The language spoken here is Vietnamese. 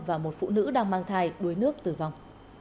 và một phụ nữ đang mang thai đuối nước tử vong